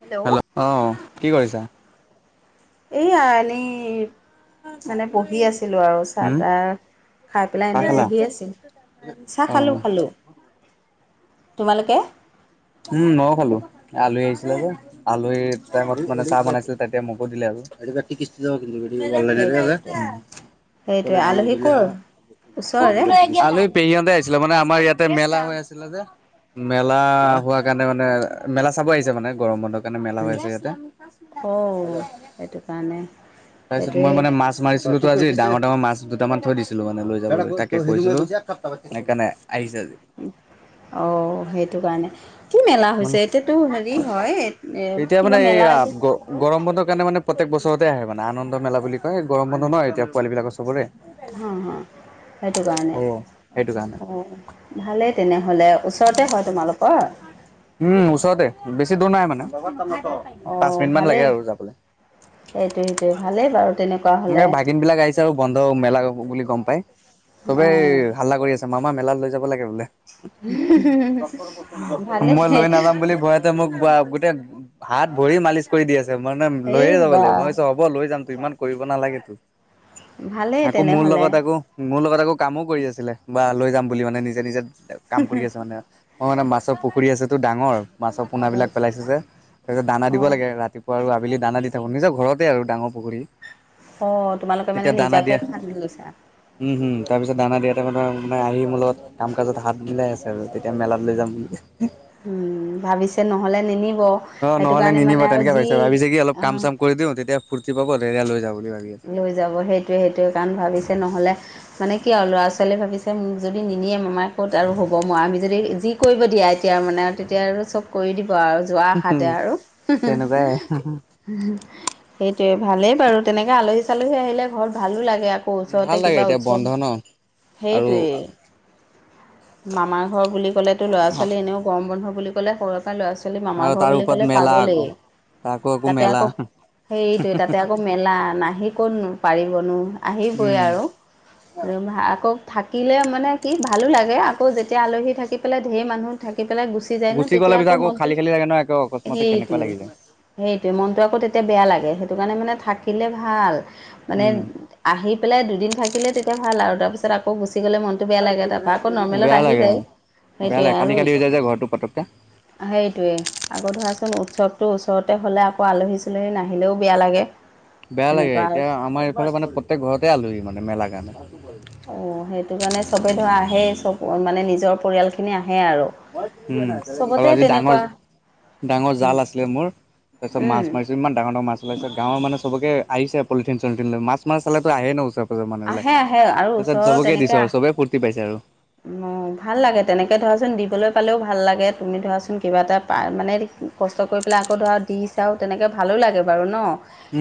Hello. অঁ, কি কৰিছা? এইয়া এনেই মানে বহি আছিলো আৰু চাহ উম তাহ খাই পেলাই চাহ এনেই খালা বহি আছিল চাহ অ খালোঁ খালোঁ। তোমালোকে? উম, ময়ো খালো। আলহী আহিছিলে যে আলহী টাইমত মানে চাহ বনাইছিলে তেতিয়া মোকো দিলে আৰু। কি দাব কিন্তু অনলাইন [unintelligible] সেইটোৱে সেইটোৱে সেইটোৱে ল দ আলহী দিল ক'ৰ হা ওচৰৰে [unintelligible] পেহী হঁতে আহিছিলে মানে আমাৰ ইয়াতে মেলা হৈ আছিলে যে মেলা হোৱা কাৰণে মানে মেলা চাব আহিছে মানে গৰম বন্ধৰ কাৰণে মেলা হৈছে ইয়াতে। অঁ, সেইটো কাৰণে। তাৰপিছত মই সেইটোৱে মানে মাছ মাৰিছ তোৰ তো আজি ডাঙৰ - ডাঙৰ মাছ দুটামান থৈ দিছিলো মানে লৈ যামে তাকে কৈছিলো সেইকাৰণে আহিছে আজি। অঁ, সেইটো কাৰণে। কি মেলা মানে হৈছে? এতিয়াতো হেৰি হয় এ এতিয়া মানে কিবা এইয়া মেলা এইটো গ গৰম বন্ধৰ কাৰণে মানে প্ৰত্যেক বছৰতে আহে মানে আনন্দ মেলা বুলি কয়, গৰম বন্ধ ন এতিয়া পোৱালিবিলাকৰ চবৰে। হ হ সেইটো কাৰণে অ সেইটো কাৰণে অ। ভালেই তেনেহলে ওচৰতে হয় তোমালোকৰ? উম, ওচৰতে বেছি দূৰ নাই মানে। পাঁচ অ' মিনিটমান লাগে ভালেই আৰু যাবলে সেইটো সেইটোৱে ভালেই বাৰু তেনেকুৱা মানে হ'লে ভাগিনবিলাক আহিছ তেওঁ বন্ধ মেলা বুলি গম পাই, চবেই অ', হাল্লা কৰি আছে মামা মেলা লৈ যাব লাগে বোলে। হুহুহু ভালে। ত এতিয়া মোক গোৱা গোটেই হাত - ভৰি মালিচ কৰি দি আছে মই মানে এই লৈয়ে যাব বা লাগে মই ভাবিছোঁ হব লৈ যাম তো ইমান কৰিব নালাগে তো ভালেই আকৌ মোৰ তেনেহ'লে লগত আকৌ মোৰ লগত আকৌ কামো কৰি আছিলে বা লৈ যাম বুলি মানে নিজে- নিজে কাম কৰি আছে মানে মই মানে মাছ ছৰ পুখুৰী আছেতো ডাঙৰ, মাছৰ অ', পোনাবিলাক পেলাইছে যে তাৰপিছত দানা দিব অ', লাগে ৰাতিপুৱা আৰু আবেলি দানা দি থাকো নিজ ঘৰতেই ডাঙৰ পুখুৰী। অ, তোমালোকে মানে তেতিয়া দানা নিজাকে দিয়া খান্দি গৈছা। উম উম তাৰ পিছত দানা দিয়া টাইমত তোমাৰ মানে আহি মলত কাম-কাজত হাত মিলাই আছে আৰু তেতিয়া মেলাত লৈ যাম বুলি। উম ভাবিছে নহ'লে নিনিব। অ, সেইটো নহ'লে কাৰণে নিনিব মানে আৰু তেনেকে ভাবিছা ভাবি যি অলপ কাম - অ', চাম কৰি দিওঁ তেতিয়া ফুৰ্তি পাব তেতিয়া লৈ যাব বুলি ভাবি আছে লৈ যাব সেইটোৱে সেইটোৱে কাৰণ ভাবিছে নহ'লে মানে কি আৰু ল'ৰা-ছোৱালীয়ে ভাবিছে মোক যদি নিনিয়ে আমাৰ ক'ত আৰু হ'ব মই আমি যদি যি কৰিব দিয়া এতিয়া মানে আৰু তেতিয়া আৰু চব কৰি দিব আৰু যোৱা আশাতে আৰু হুহু তেনেকুৱাই হু। হু, সেইটোৱে ভালেই বাৰু তেনেকে আলহী- চালহী আহিলে ঘৰত ভালো লাগে টো ভাল ওচৰতে লাগে কিবা এতিয়া উৎসৱ বন্ধ ন আৰু সেইটোৱেই। মামাৰ ঘৰ বুলি ক'লেতো ল'ৰা - ছোৱালী এনেও গৰম বন্ধ বুলি ক'লে কৰবাত বা ল'ৰা- ছোৱালী মামা আৰু ঘৰ তাৰ বুলি ওপৰত ক'লে মেলা পাগলে। আকৌ তাকো তাতে মেলা। আকৌ, সেইটো তাতে আকৌ মেলা। নাহি ক'ত নো পাৰিবনো আহিবই উম আৰু [unintelligible] ৰভা আকৌ থাকিলে মানে কি ভালো লাগে আকৌ যেতিয়া আলহী থাকি পেলাই ঢেৰ মানুহ থাকি পেলাই গুচি গুচি যায় ন গ'লে তেতিয়া পিছত আকৌ মনটো খালী খালী লাগে ন একে অকস্মাতে কেনেকুৱা সেইটোৱেই লাগি যায়। সেইটোৱে মনটো আকৌ তেতিয়া বেয়া লাগে সেইটো কাৰণে মানে থাকিলে ভাল মানে উম। আহি পেলাই দুদিন থাকিলে তেতিয়া ভাল আৰু তাৰপিছত আকৌ গুচি গ'লে মন টো বেয়া লাগে তাৰপা আকৌ নৰ্মেলত বেয়া আহি লাগে যায় বেয়া সেইটোৱে লাগে খালী আৰু খালী হৈ যায় যে ঘৰটো পতককে। সেইটোৱেই। আকৌ ধৰাচোন উৎসৱটো ওচৰতে হ'লে আকৌ আলহী চালহী নাহিলেও বেয়া লাগে। বেয়া লাগে তেনেকুৱা আৰু এতিয়া আমাৰ এইফালে মানে প্ৰত্যেক ঘৰতে আলোহী মানে মেলা কাৰণে। অঁ সেইটো কাৰণে চবেই ধৰ আহেই চব মানে নিজৰ পৰিয়ালখিনি আহে আৰু। উম চবতে আৰু আজি তেনেকুৱা ডাঙৰ ডাঙৰ জাল আছিলে মোৰ তাৰপিছত উম, মছ মাৰিছো, ইমান ডাঙৰ - ডাঙৰ মাছ চলাইছো গাঁৱৰ মানে চবকে আহিছে পলিথিন- চলিথিন ল মাছ- মাছ চালেতো আহে ন ওচৰ চৰৰ মানুহবিলাক আহে আহে আৰু তাৰপিছত ওচৰৰ চবকে দিছো আৰু চবেই ফূৰ্তি পাইছে আৰু। অ ভাল লাগে তেনেকৈ ধৰাচোন দিবলৈ পালেও ভাল লাগে তুমি ধৰাচোন কিবা এটা পা মানে কষ্ট কৰি পেলাই আকৌ ধৰা দি চাওঁ তেনেকৈ ভালো লাগে বাৰু ন,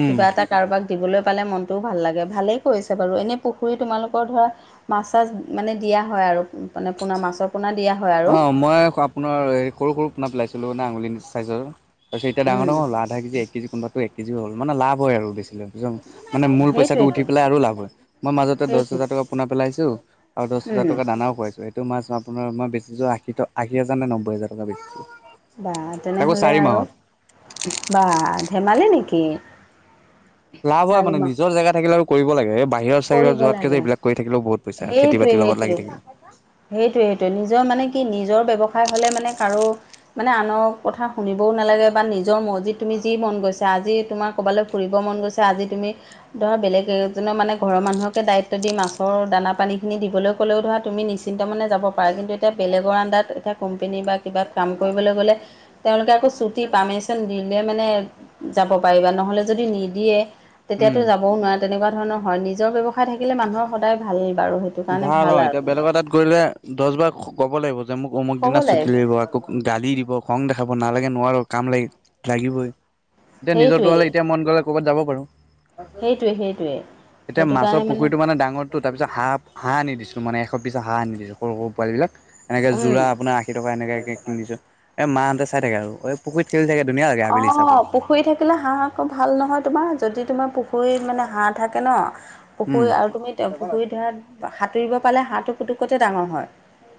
উম। কিবা এটা কাৰোবাক দিবলৈ পালে মনটোও ভাল লাগে, ভালেই কৰিছে বাৰু এনেই পুখুৰী তোমালোকৰ ধৰা মাছ - চাছ মানে দিয়া হয় আৰু মানে পোনা মাছৰ আপোনাৰ দিয়া হয় আৰু অ মই আপোনাৰ এই সৰু সৰু পোনা পেলাইছিলো না আঙুলি চাইজৰ। তাৰপিছত এতিয়া ডাঙৰ উম, ডাঙৰ হল আধা কেজি এক কেজি কোনোবটো এক কেজি হল মানে লাভ আৰু বেছিলে বুজন। মানে মোৰ পইচাটো উঠি সেইটোৱেইটো পেলাই আৰু লাভ হয় মই মাজতে দহ সেইটোৱে হোজাৰ টকা পোনা পেলাইছোঁ। আৰু দহ হাজাৰ উম, টকা দানাও খোৱাইছো। সেই টো মাছ আপোনাৰ মই বেছিছো আশী আশী হাজাৰ নে নবৈ হাজাৰ টকাৰ বেছিছোঁ। বা তেনেহলে আৰু বা ধেমালি নেকি। লাভ হয় চাৰি মানে মাহ নিজৰ জেগা থাকিলে আৰু কৰিব লাগে এই বাহিৰৰ কৰিব চাহিৰত যোৱাতকে যে লাগে এইবিলাক কৰি থাকিলেও বহুত, পইচা খেতি সেইটোৱে বাতিৰ লগত লাগি সেইটোৱে থাকিব। সেইটোৱে সেইটোৱে নিজৰ মানে কি নিজৰ ব্যৱসায় হ'লে মানে কাৰো। মানে আনৰ কথা শুনিবও নালাগে বা নিজৰ মৰ্জিত যি তুমি যি মন গৈছা আজি তোমাৰ ক'ৰবালে ফুৰিব মন গৈছে আজি তুমি ধৰা বেলেগ এজনৰ মানে ঘৰৰ মানুহকে দায়িত্ব দি মাছৰ দানা পানীখিনি দিবলৈ ক'লেও ধৰা তুমি নিশ্চিত মনে যাব পাৰা, পায় কিন্তু এতিয়া বেলেগৰ আনডাৰত কোম্পানীৰ বা কিবা কাম কৰিব গ'লে তেওঁলোকে আকৌ ছুটি পাৰ্মিশন দিলে মানে যাব পাৰিবা নহ'লে যদি নিদিয়ে, তেতিয়াতো উম। যাবও নোৱাৰে তেনেকুৱা ধৰণৰ হয় নিজৰ ব্যৱসায় থাকিলে মানুহৰ সদায় ভাল বাৰু সেই, ভাল অ এতিয়া বেলেগৰ তাত গলে দহ বাৰ ক'ব লাগিব যে মোক অমুক দিনা ছুটি লাগিব আকৌ, গালি দিব খং দেখাব নালাগে নোৱাৰোঁ কাম লাগি লাগিবই। এতিয়া নিজৰটো সেইটোৱেই হ'লে এতিয়া মন গ'লে ক'ৰবাত যাব পাৰোঁ। সেইটোৱে সেইটোৱে এতিয়া সেইটো মাছৰ কাৰণে পুখুৰীটো মানে ডাঙৰ। তাৰপিছত হাঁহ হাঁহ আনি দিছো মানে এশ পিছ হাঁহ আনি দিছো সৰু সৰু পোৱালবিলাক এনেকে উম যোৰা আপোনাৰ, চিটকা এনেকাকৈ আনি দিছোঁ, এই মাহঁতে চাই থাকে এই পুখুৰীত খেলি থাকে ধুনীয়া লাগে অ আবেলি চাবলৈ। পুখুৰী থাকিলে হাঁহ আকৌ ভাল নহয়, তোমাৰ যদি তোমাৰ পুখুৰীত মানে হাঁহ থাকে ন। উম পুখুৰী আৰু তুমি পুখুৰীত ধৰাত সাঁতুৰিব পালে হাঁহটো পুতুকতে ডাঙৰ হয়।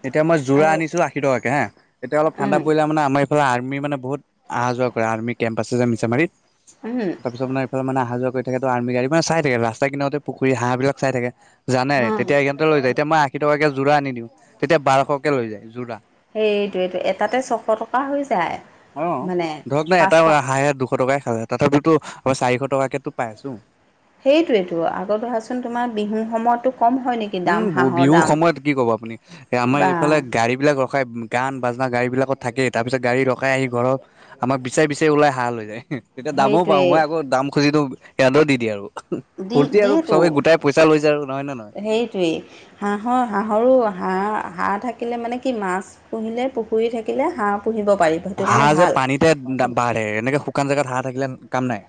এতিয়া মই জোৰা আৰু আনিছিলো আশীটকাকে হা এতিয়া অলপ ঠাণ্ডা উম পৰিলে মানে আমাৰ এ, ফালে আৰ্মি মানে বহুত অহা যোৱা কৰে আৰ্মি কেম্প আছে যে মিছামাৰীত। উম, তাৰিছত মানে এফালে মানে যোৱা কৰি থাকে আৰ্মি গাড়ী চাই থাকে ৰাস্তা কিনাৰতে পুখুৰী হাঁহ বিলাক চাই থাকে। জানে উম তেতিয়া সকাৰণতে লৈ যায় এতিয়া মই আশী টকাকে যোৰা আনি দিওঁ তেতিয়া বাৰশকে লৈ যায় যোৰা। সেইটোৱেইটো এটাতে ছশ টকা হৈ যায়। অ মানে ধৰক ন এটা পাঁচশ হাঁহে দুশ টকাই খালে তথাপিতোৰ চাৰিশ টকাকে পাই আছো। সেইটোৱেইেতো আগত ধৰাচোন তোমাৰ বিহুৰ সময়তো কম হয় নেকি। দাম উম হাঁহৰ বিহুৰ দাম সময়ত কি কব আপুনি এ আমাৰ বা এইফালে গাড়ী বিলিলাক। ৰখাই গান বাজনা গাড়ীবিলাকত থাকে তাৰপিছত গাড়ী ৰখাই আহি ঘৰৰ। আমাক বিচি বিচাৰি ওলাই হাঁহ লৈ যায় তেতিয়া দামো পাওঁ সেইটোৱে মই আকৌ দাম খুজি দিও হেহটো দি দিয়ে আৰু দি ফূৰ্তি আৰু দিয়েতো চবেই গোটাই পইচা লৈছে আৰু নহয়নে নহয়। সেইটোৱেই। হাঁহৰ হাঁহৰো হাঁহ হাঁহ থাকিলে মানে কি মাছ, পুহিলে পুখুৰী থাকিলে হাঁহ পুহিব পাৰি। সেইটো কাৰণে হাঁহ যে ভাল পানীতে বাঢ়ে এনেকে শুকান জেগাত হাঁহ থাকিলে কাম নাই।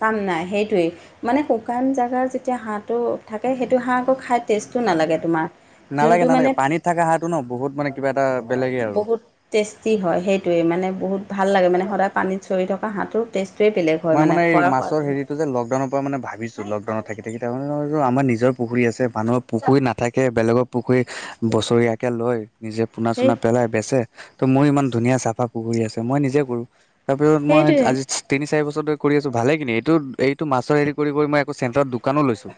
কাম নাই সেইটোৱেই মানে শুকান জেগাৰ যেতিয়া হাঁহটো। থাকে সেইটো হাঁহ আকৌ খাই টেষ্টো নালাগে তোমাৰ যোনটো মানে। থাকা হাঁহাটো ন বহুত মানে কিবা এটা বেলেগেই আৰু বহুত টেষ্টি হয় সেইটোৱে মানে বহুত ভাল লাগে মানে সদায় পানীত চৰি থকা হাঁহৰ টেষ্টটোৱেই বেলেগ, হয় মই মানে এই খোৱাৰ মাছৰ সোৱাদটো হেৰিত, যে লকাউনৰ ম পৰা মানে ভিছো লকডাউনত থাকি থাকি তাৰ মানে ভাবিছো আমাৰৰ নিজৰ পুখুৰী আছে মানুহৰ পুখুৰী নাথাকে বেলেগৰ, পুখুৰী বছৰীয়াকে লৈ নিজে পোনা সেই চুনা পেলাই বেচে ত' মোৰ ইমান ধুনীয়া চাফা পুখুৰী আছে মই নিজে কৰো। তাৰপিছ মই সেইটোৱে আজি তিনি চাৰি বছৰ। চৰ কৰি আছো ভালে কিনি এইটো এইটো মাছৰ হেৰি কৰি মই চেটাৰত দোকানো লৈছে।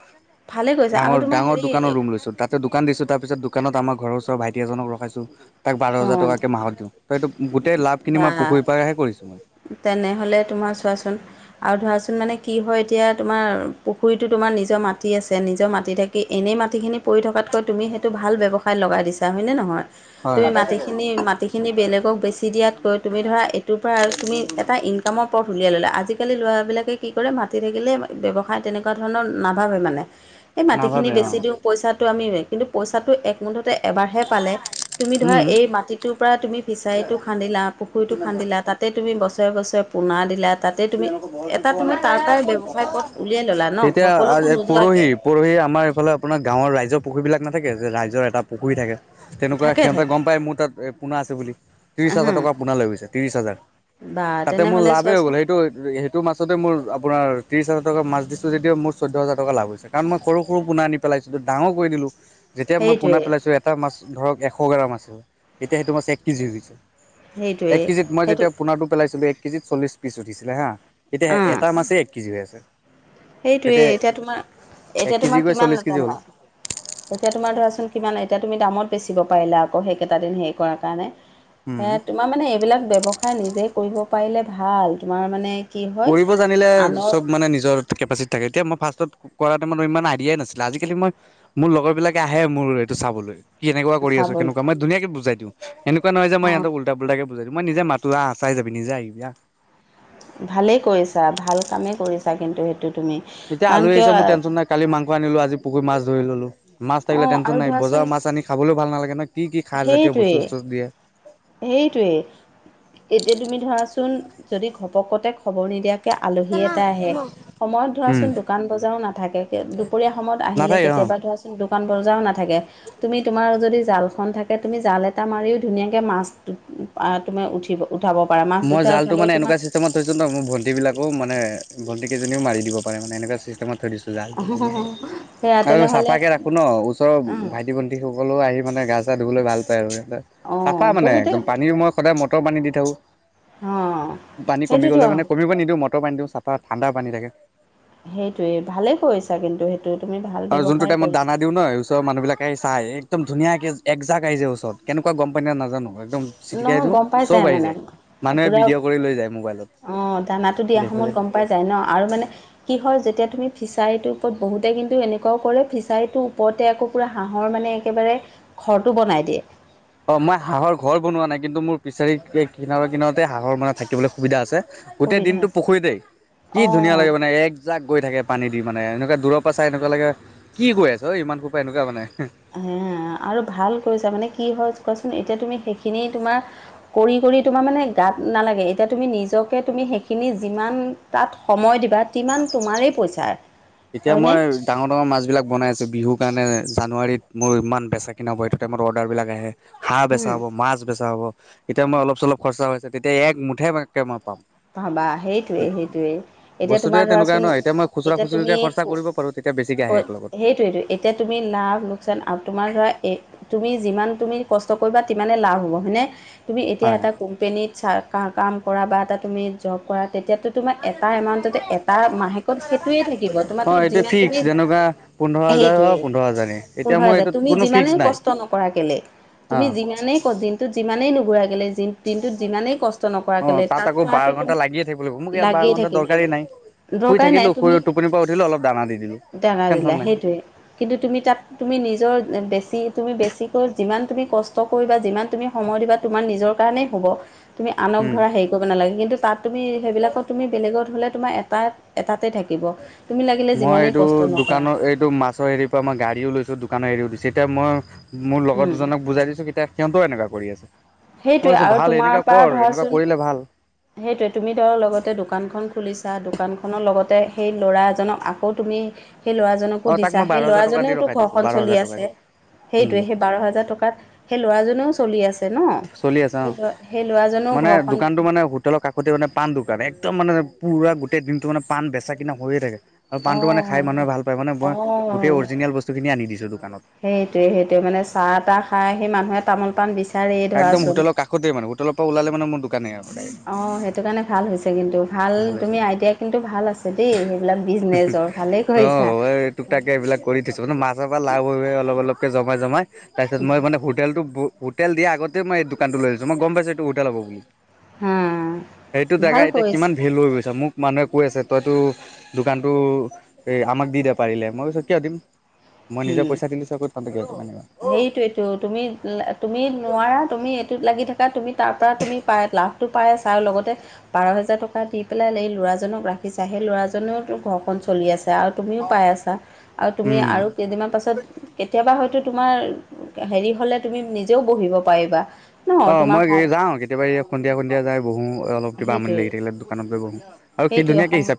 ভালে কৈছা আৰু ডাঙৰ তোমাৰ ডাঙৰ হেৰি দোকানৰ ৰুম লৈছো তাত দোকান দিচো তাৰ পিছত দোকানত আমাৰ ঘৰ ওচৰ ভেটি এজনক ৰখাইছো তাক বাৰ হাজাৰ অঁ টকাকৈ মাহত দিওঁ ত' এইটো গোটেই লাভখিনি মই বা পুখুৰীৰ পৰাহে কৰিছোঁ মই তেনেহ'লে তোমাৰ চোৱাচোন আৰু ধৰাচোন মানে কি হয় এতিয়া তোমাৰ পুখুৰীটো তোমাৰ নিজৰ মাটি আছে নিজৰ মাটি থাক কি এনেই মাটিখিনি পৰি থকাতকৈ তুমি সেইটো ভাল ব্যৱসায় লগাই দিছা হয়নে নহয়? হয়। তুমি মাটিখিনি মাটিখিনি বেলেগক বেছি দিয়াতকৈ তুমি ধৰা এইটোৰ পৰা তুমি এটা ইনকামৰ পথ উলিয়াই ল'লে আজিকালি ল'ৰাবিলাকে কি কৰে মাতি থাকিলে ব্যৱসায় তেনেকুৱা ধৰণৰ নাভাবে মানে এই মাটিখিনি নাভাবে অ বেছি দিওঁ পইচাটো আমি কিন্তু পইচাটো একমুঠতে এবাৰহে পালে তুমি ধৰা উম এই মাটিত টোৰ পৰা তুমি ফিচাৰীটো খান্দিলা পুখুৰীটো খান্দিলা তাতে তুমি বছৰে বছৰে পোনা দিলা তাত এতিয়া আ পৰহি পথ পৰহি আমাৰ এইফালে উলিয়াই ল'লা ন ঘৰ কলৈকো নোযোৱাকে আপোনাৰ গাঁৱৰ ৰাইজৰ পুখুৰী বিলাক নাথাকে যে ৰাইজৰ এটা পুখুৰী থাকে তেনেকুৱা থাকে সিহঁতে থাকে গম পাই মোৰ তাত পোনা আছে বুলি ত্ৰিশ হা হাজাৰ টকা পোনা লৈ গৈছে ত্ৰিশ হাজাৰ বা তাতে মোৰ তেনেহ'লে লাভেই হৈ চোৱাচোন গ'ল সেইটো সটো সেইটো মাছতে মোৰ আপোনাৰ ত্ৰিছ হাজাৰ টকা মাছ দিছো যদিও মোৰ চৈধ্য হাজাৰ টকা লাভ হৈছে। কাৰণ মই সৰু সৰু পোনা আনি পেলাইছোঁ ডাঙৰ কৰি দিলোঁ যেতিয়া মই পোনা সেইটোৱে পেলাইছোঁ এটা মাছ ধৰক এশ গ্ৰাম আছে তেতিয়া সেইটো মাছ এক কেজি হৈ গৈছে। সেইটোৱে এক কেজিত মই সেইটো যেতিয়া পোনাটো পেলাইছিলো এক কেজিত চল্লিশ পিচ উঠিছিলে হা এতিয়া অ এটা মাছেই এক কেজি হৈ আছে সেইটোৱে এতিয়া তোমাৰ এক এতিয়া কেজি তোমাৰ গৈ কিমান চল্লিছ কেজি হ'ল লেতেৰা এতিয়া তোমাৰ ধৰাচোন কিমান এতিয়া তুমি দামত বেচিব পাৰিলা আকৌ সেইকেইটা দিন হেৰি কৰাৰ কাৰণে হে হ'ল তোমাৰ মানে এইবিলাক ব্যৱসায় নিজে কৰিব পাৰিলে ভাল তোমাৰ মানে কি হয় কৰিব জানিলে আনৰ চব মানে নিজৰ কেপাচিটি থাকে এতি মই ফাৰ্ষ্ত কৰা ত ইমান আইডিয়াই নাছিলে আজি কালি মই মোৰ লগৰ বিলাকে আহে মোৰ এইটো চাবলৈ এই কেনেকুৱা কৰি আছ কেনেকোৱা চাবলৈ মই ধুনীয়া কে বুজাই দিওঁ এনেকুৱা নহয় যে মই ইহতক উলটা পোলটা কে বুজাই দিম মই নিজে মাতো আ চাই যাবি নিজে আহিবি ভালেই কৰিছা ভাল কামেই কৰিছা কিন্তু সেইটো তুমি এতিয়া কাৰণ আলহি কিয় আহিছে মোৰ টেনশ্যন অঁ নাই মাংস আনিলো আজি পুখুৰীত মাছ ধৰি ললোঁ। মাছ থাকিলে টেনশ্যন আৰু নাই বজাৰ ধৰাচোন মাছ আনি খাবলৈও ভাল নালাগে নহয় কি কি খাৰ জাতীয় বস্তু সেইটোৱেই চস্তু দিয়ে। সেইটোৱেই এতিয়া তুমি ধৰাচোন যদি ঘপকতে খবৰ নিদিয়া আলহী এটা আহে সময়ত উম ধৰাচোন দোকান বজাৰো নাথাকে দুপৰীয়া সময়ত আহিলে নাথাকে অ কেতিয়াবা ধৰাচোন দোকান বজাও নাথাকে তুমি তোমাৰ যদি জাল খন থাকে তুমি জাল এটা মাৰিও ধুনীয়াকে মাছ তুমি উঠিব উঠাব পাৰা মাছ মই দুটা জালটো মানে উঠালেও এনেকুৱা তোমাৰ চিষ্টেমত থৈছো ন মোৰ ভণ্টীবিলাকো মানে ভণ্টী কেইজনীও মাৰি দিব পাৰে এনেকুৱা চিষ্টেমত থৈ দিছোঁ জাল অহ সেয়া আৰু তেনেহ'লে চাফাকৈ ৰাখো ন ওচৰৰ উম ভাইটি ভন্টি স সকলেও আহি মানে গা চা ধুবলৈ ভাল পায় আৰু সিহঁতে, চাফা অঁ মানে বহুতে একদম পানী মই সদায় মটৰ পানী দি থাকোঁ অঁ পানী কমি গলে সেইটোতো মানে কমিব নিদিওঁ মানে মটৰ পানী টো চাফা ঠাণ্ডা পানী থাকে সেইটোয়ে ভালে কৰিছা কিন্তু সেই টো তুমি ভাল আৰু যোনটো ব্যৱসায় টাইমত কৰিছা দানা দিওঁ ন ওচৰৰ মানুহিলাক চাই একদম ধুনীয়াকে একজাক আহি যায় ওচৰত কেনেকুৱা গম পাই ন নাজানো একদম চিটিকাই নহয় দিওঁ গম পাই চব যাই আহি মানে যায়। মানুহে পুৰা ভিডিঅ' কৰি লৈ যায় মোবাইলত অ দানা দিয়া সময়ত দেখিলে। গম পাই পাই যায় ন আৰু মানে কি হয় যেতিয়া তুমি ফিচাৰীটোৰ ওপৰত বহুতে কিন্তু এনেকুৱাও কৰে ফিছাৰীটোৰ ওপৰতে আকৌ পুৰা হাঁহৰ মানে একেবাৰে ঘৰটো বনাই দিয়ে অঁ মই হাঁহৰ ঘৰ বনোৱা নাই কিন্তু মোৰ ফিছাৰী কিনাৰে কিনাৰতে হাঁহৰ মানে থাকিবলৈ সুবিধা আছে। গোটেই সুবিধা দিনতটো আছে পুখুৰীতে, কি ধুনীয়া অঁ লাগে মানে এক যাক গৈ থাকে পানী দি মানে এনেকুৱা দূৰৰ পৰা চাই এনেকুৱা লাগে কি গৈ আছে অ ইমান কৰ পৰা এনেকুৱা মানে হে। এ আৰু ভাল কৰিছা মানে কি হয় কোৱাচোন এতিয়া তুমি সেইখিনি তোমাৰ কৰি কৰি তোমাৰ মানে গাত নালাগে এতিয়া তুমি নিজকে তুমি সেইখিনি যিমান তাত সময় দিবা তিমান তোমাৰেই পইচা এতিয়া হয়নে? মই ডাঙৰ - ডাঙৰ মাছবিলাক বনাই আছে বিহু কাৰনে জানুৱাৰীত মোৰ ইমান বেচাকিনা সেইটো টাইমত অৰ্ডাৰবিলাক আহে। হাঁহ উম বেচা হ'ব, মাছ বেচা হব এতিয়া মই অলপ - চলপ খৰচা হৈছে তেতিয়া এক মুঠেকে মই পাম। পাবা সেইটোৱে সেইটোৱে। এতিয়া তোমাৰ বস্তুটোৱে তেনেকুৱা ধৰাচোন ন এতিয়া মই খুচুৰা এতিয়া খুচুৰিকে তুমি খৰচা কো কৰিব পাৰোঁ তেতিয়া বেছিকে ক আহে এক লগত সেইটোৱেইটোৱে। এতিয়া তুমি লাভ - লোকচান আৰু তোমাৰ ধৰা এ তুমি যিমান তুমি কষ্ট কৰিবা তিমানেই লাভ হ'ব হয়নে? তুমি এতিয়া হয় এটা কোম্পেনীত চা কা কাম কৰা বা এটা তুমি জব কৰা তেতিয়াতো তোমাৰ এটা এমাউণ্টতে এটা মাহেকত সেইটোয়ে থাকিব অ তোমাৰো এইটো যিমান ফিক্স তুমি যেনেকুৱা পোন্ধৰ হাজাৰ অ সেইটোৱে, পোন্ধৰ হাজাৰে এতিয়া পোন্ধৰ মোৰ হাজাৰ এইটোত তুমি কোনো যিমানে ফিক্স নাই কষ্ট নকৰা কেলে অ তুমি যিমানেই ক দিনটোত যিমানেই নুঘূৰা গেলে যি দিনটোত যিমানেই কষ্ট নকৰাক অ কেলে তাত আকৌ বাৰ ল'ৰাটো তো ঘণ্টা লাগিয়ে থাকিব লাগিব মোক ইয়াত বাৰ লাগিয়ে ঘণ্টা থাকিবলৈ দৰকাৰেই নাই কৈছে। শুই দৰকাৰ নাই থাকিলো শুই তুমি, টোপনিৰ পৰা উঠিলো অলপ দানা দি দিলো দানা টেনচন দিলা নাই সেইটোৱে। কিন্তু তুমি তাত তুমি নিজৰ বেছি তুমি বেছিকৈ যিমান তুমি কষ্ট কৰিবা যিমান তুমি সময় দিবা তোমাৰ নিজৰ কাৰণেই হ'ব। তুমি আনক উম ধৰা হেৰি কৰিব নালাগে কিন্তু তাত তুমি সেইবিলাকত তুমি বেলেগত হ'লে তোমাৰ এটা এটাতে থাকিব তুমি লাগিলে মই যিমানেই এইটো কষ্ট নকৰা। দোকানৰ এইটো মাছৰ হেৰিৰ পৰা মই গাড়ীও লৈছো, দোকানৰ হেৰিও দিছো এতিয়া মই মোৰ লগৰ উম, দুজনক বুজাই দিছো কেতিয়া সিহঁতেও এনেকুৱা কৰি আছে। মই সেইটোৱে কৈছোঁ আৰু ভাল তোমাৰ এনেকুৱা পৰা কৰ, এনেকুৱা ধৰাচোন কৰিলে ভাল। সেইটোৱে তুমি তাৰ লগতে দোকানখন খুলিছা, দোকানখনৰ লগতে সেই ল'ৰা এজনক আকৌ তুমি সেই অ ল'ৰাজনকো তাক দিছা, মই বাৰ সেই হাজাৰ টকা দি ল'ৰাজনেওতো ৰখাই দিছো ঘৰখন বাৰ চলি হাজাৰ টকা আছে দি উম সেইটোয়ে সেই বাৰ হাজাৰ টকাত সেই ল'ৰাজনেও চলি আছে ন। চলি আছে সেই অঁ ল'ৰা সেই ল'ৰাজনেও মানে ঘৰখন দোকানটো মানে হো দলৰ কাষতে মানে পাণ দোকান, একদম মানে পুৰা গোটেই দিনটো মানে পাণ বেচা - কিনা হৈয়ে থাকে। আৰু পাণটো মানে খাই অঁ মানুহে ভাল পায় মানে মই অঁ গোটেই অৰিজিনেল বস্তুখিনিয়ে আনি দিছোঁ দোকানত। সেইটোৱে সেইটোৱে মানে চাহ - তাহ খাই আহি মানুহে তামোল - পান বিচ একদম হোটেলৰ কাষতে মানে হোটেলৰ পৰা ওলালে মানে মোৰ‌‌ দোকানে আৰু ডাই অ সেইটো কাৰণে ভাল হৈছে কিন্তু ভাল তুমি আইডিয়া কিন্তু ভাল আছ ছে দেই সেইবিলাক বিজনেচৰ ভালেই অ কৰিছা। এই তোক তাকে এইবিলাক কৰি দিছোঁ মানে মাছৰ পৰা লাভ হৈ অলপ অলপকে জমাই - জমাই তাৰপিছত মই মানে ফূৰ টেলটো ভূ হোটেল দিয়া আগতে মই এই দোকানটো লৈ লৈছোঁ, মই গম পাইছো‌ এইটো হোটেল হব বুলি। হা সেইটো জেগা ভাল এতিয়া কৰিছা কিমান ভেলো হৈ গৈছে, মোক মানুহে কৈ আছে তইতো দোকানটো এই আমাক দি দে পাৰিলে, মই কৈছোঁ কিয় দিম মই নিজে পইচা দিলোঁ চক'ত সঁচাকে মানে। সেইটোৱেতো তুমি তুমি নোৱাৰা তুমি এইটোত লাগি থাকা তুমি তাৰপৰা তুমি পাই লাভ টো পাই‌ আছা আৰু লগতে বাৰ হেজাৰ টকা দি পেলাই এই ল'ৰাজনক ৰাখিছা সেই ল'ৰাজনেটো ঘৰখন চলি আছে আৰু তুমিও পাই আছা আৰু তুমি উম। আৰু কেইদিনমান পাছত কেতিয়াবা হয়তো তোমাৰ হেৰি হলে তুমি নিজেও বহিব পাৰিবা। ন অ তোমাৰ মই এই যাওঁ, কেতিয়াবা এই সন্ধিয়া - সন্ধিয়া যাই বহো অলপ কিবা আমনি সেইটোৱেই লাগি থাকিলে দোকানত গৈ বহো আৰু সি সেইটোৱে ধুনীয়াকে সম হিচাপ